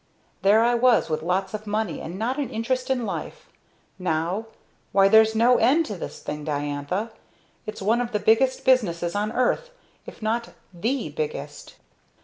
_ There I was, with lots of money, and not an interest in life! Now? why, there's no end to this thing, Diantha! It's one of the biggest businesses on earth if not the biggest!"